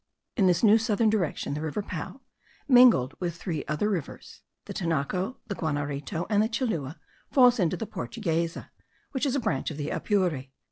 In this new southern direction the Rio Pao, mingled with three other rivers, the Tinaco, the Guanarito, and the Chilua, falls into the Portuguesa, which is a branch of the Apure.